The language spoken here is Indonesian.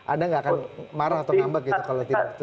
anda nggak akan marah atau ngambek gitu kalau tidak